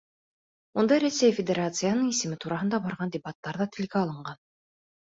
Унда Рәсәй Федерацияһының исеме тураһында барған дебаттар ҙа телгә алынған.